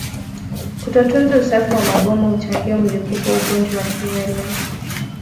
Kutotunza usafi wa maboma huchangia mlipuko wa ugonjwa wa kiwele